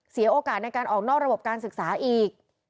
เสียโอกาสในการออกนอกระบบการศึกษาอีก